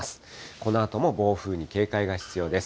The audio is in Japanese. このあとも暴風に警戒が必要です。